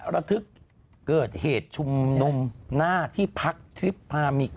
ระทึกเกิดเหตุชุมนุมหน้าที่พักทริปพามิก